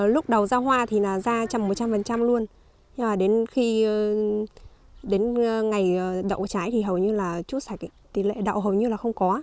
lúc đầu ra hoa thì ra chầm một trăm linh luôn nhưng đến ngày đậu trái thì hầu như là chút sạch tỷ lệ đậu hầu như là không có